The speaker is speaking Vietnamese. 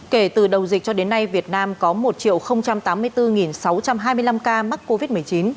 kể từ đầu dịch cho đến nay việt nam có một tám mươi bốn sáu trăm hai mươi năm ca mắc covid một mươi chín